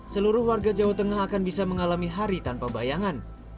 seluruh warga jawa tengah akan bisa mengalami hari tanpa bayangan